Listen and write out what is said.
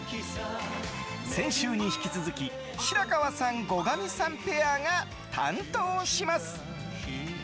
先週に引き続き白川さん、後上さんペアが担当します。